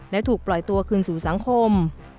และถูกปล่อยตัวคืนสู่สังคม